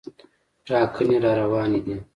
ټاکنې راروانې دي.